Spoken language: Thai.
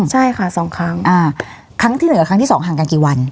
ใช่ค่ะสองครั้งครั้งที่เหลือครั้งที่สองห่างกันกี่วัน